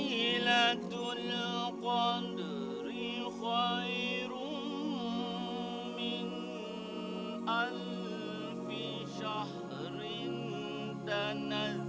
kepada hasan ahmad kami persilakan